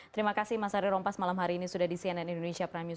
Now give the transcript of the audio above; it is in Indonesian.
terima kasih mas ari rompas malam hari ini sudah di cnn indonesia prime news